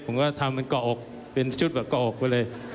ผมก็ทำเป็นเกาะออกเป็นชุดแบบเกาะออกไปเลย